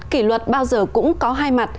kỷ luật bao giờ cũng có hai mặt